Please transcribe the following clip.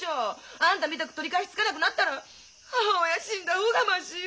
あんたみたく取り返しつかなくなったら母親は死んだ方がましよ。